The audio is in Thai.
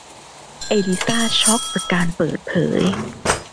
เอลิซ่าช็อคจากการเปิดเผย